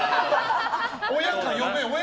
親か嫁。